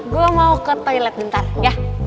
gue mau ke toilet bentar ya